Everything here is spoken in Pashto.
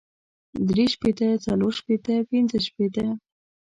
درې شپېته څلور شپېته پنځۀ شپېته